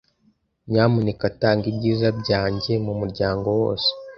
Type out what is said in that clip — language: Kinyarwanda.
Nyamuneka tanga ibyiza byanjye mumuryango wose.